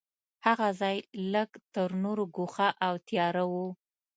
هغه ځای لږ تر نورو ګوښه او تیاره و.